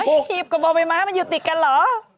ห่อหีบกับบ่อใบไม้ม้ามันอยู่ติดกันเหรอ